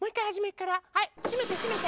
はいしめてしめて。